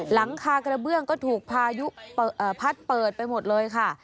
หลังคากระเบื้องก็ถูกพายุพัดเปิดไปหมดเลยค่ะ